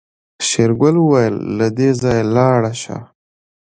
شېرګل وويل له دې ځايه لاړه شه.